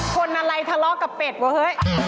คนอะไรทะเลาะกับเป็ดว่าเฮ้ย